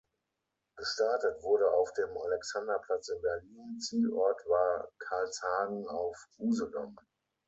Gestartet wurde auf dem Alexanderplatz in Berlin, Zielort war Karlshagen auf Usedom.